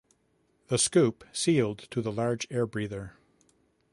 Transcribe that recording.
The scoop sealed to the large air breather.